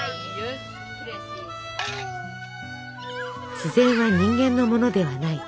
自然は人間のものではない。